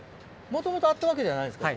もともとあったわけではないんですか？